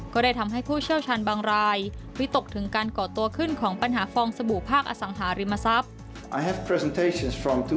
ก็ได้ทำให้ผู้เชี่ยวชาญบางรายวิตกถึงการก่อตัวขึ้นของปัญหาฟองสบู่ภาคอสังหาริมทรัพย์